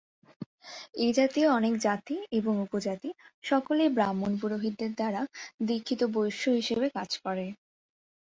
এই জাতীয় অনেক জাতি এবং উপজাতি সকলেই ব্রাহ্মণ পুরোহিতদের দ্বারা দীক্ষিত বৈশ্য হিসাবে বিবেচনা করে।